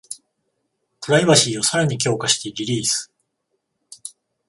プライバシーをさらに強化してリリース